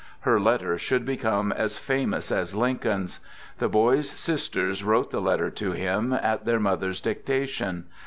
Her letter should become as famous as Lincoln's. The boy's sisters wrote the letter to him, at their mother's dictation.